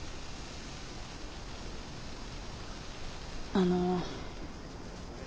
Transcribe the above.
あの。